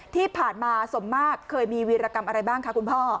ที่ผ่านมาสมมากเคยมีวีรกรรมอะไรบ้างคะคุณพ่อ